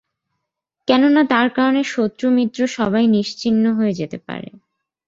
কেননা, তার কারনে শত্রু-মিত্র সবাই নিশ্চিহ্ন হয়ে যেতে পারে।